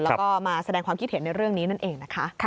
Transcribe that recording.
แล้วก็มาแสดงความคิดเห็นในเรื่องนี้นั่นเองนะคะ